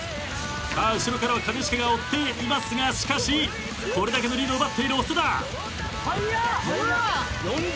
さあ後ろからは兼近が追っていますがしかしこれだけのリードを奪っている長田！